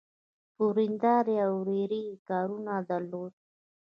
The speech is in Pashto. په وريندارې او ورېرې يې کار نه درلود.